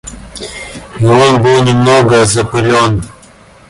И он был немного запылен.